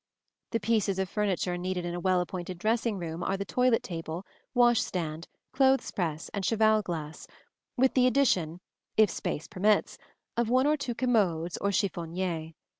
The pieces of furniture needed in a well appointed dressing room are the toilet table, wash stand, clothes press and cheval glass, with the addition, if space permits, of one or two commodes or chiffonniers.